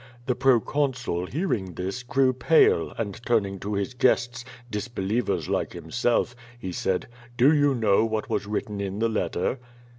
The pro consul, hearing this, grew pale, and turning to his guests, disbelievers like himself, he said: ^Do you know what was written in the letter?'